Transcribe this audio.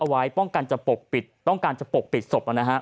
เอาไว้ป้องกันต้องการจะปกปิดศพ